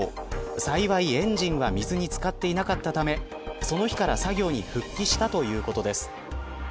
幸い、エンジンは水につかっていなかったためその日から作業に復帰したということです。